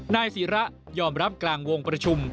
นายศิระยอมรับกลางวงประชุม